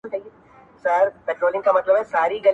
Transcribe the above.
o بې کاري لنگېږي، خواري ترې زېږي٫